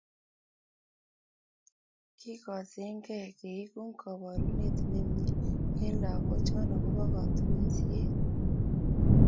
kigoseengeei keegu koboruneet nemie eng lakokchoo akobo kotunisieet